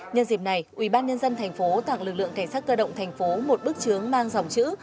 nhân dịp này ubnd tp tặng lực lượng cảnh sát cơ động thành phố một bức chướng mang dòng chữ